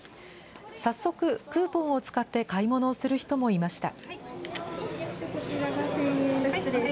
早速、クーポンを使って買い物をする人もいました。